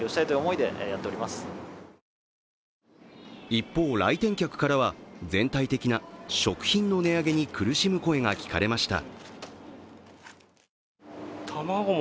一方、来店客からは全体的な食品の値上げに苦しむ声が聞かれました。